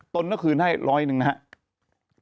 ต้นแล้วคืนให้๑๐๐นึงนะฮะ